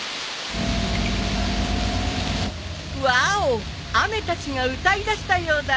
わーお雨たちが歌いだしたようだね。